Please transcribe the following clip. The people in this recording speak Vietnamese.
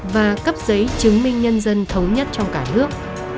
và cấp giấy chứng minh nhân dân thống nhất trong cả nước